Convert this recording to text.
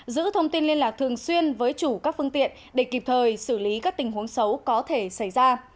giữ thông tin liên lạc thường xuyên với chủ các phương tiện để kịp thời xử lý các tình huống xấu có thể xảy ra